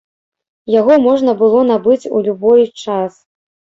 Яго можна было набыць у любой час.